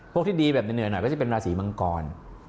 ที่ดีแบบเหนื่อยหน่อยก็จะเป็นราศีมังกร